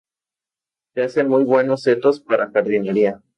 Se hacen muy buenos setos para jardinería.